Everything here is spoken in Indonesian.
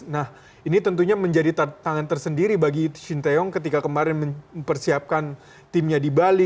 nah ini tentunya menjadi tantangan tersendiri bagi shin taeyong ketika kemarin mempersiapkan timnya di bali